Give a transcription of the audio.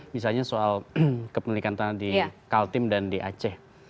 misalnya soal kepemilikan tanah di kaltim dan di aceh